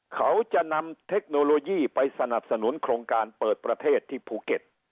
เขาจะนำเทคโนโลยีไปสนับสนุนโครงการเปิดประเทศที่ภูเก็ต